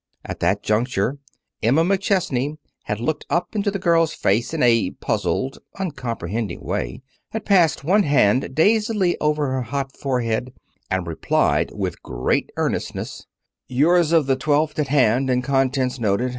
At that juncture Emma McChesney had looked up into the girl's face in a puzzled, uncomprehending way, had passed one hand dazedly over her hot forehead, and replied, with great earnestness: "Yours of the twelfth at hand and contents noted